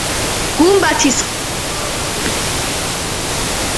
გუმბათის ყელის სხვა წახნაგებში ოთხი სარკმელია.